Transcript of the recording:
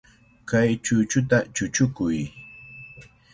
Kay chukuta chukukuy.